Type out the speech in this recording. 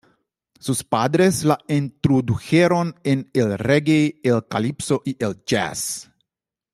Sus padres la introdujeron en el "reggae", el calipso y el jazz.